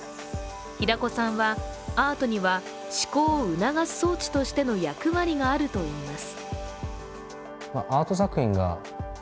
平子さんは、アートには、思考を促す装置としての役割があるといいます。